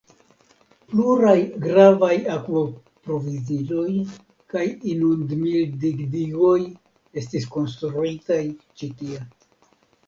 Pluraj gravaj akvoproviziloj kaj inundmildigdigoj estis konstruitaj ĉi tie.